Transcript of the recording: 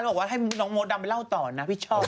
บอกว่าให้น้องมดดำไปเล่าต่อนะพี่ชอบ